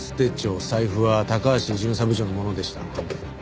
財布は高橋巡査部長のものでした。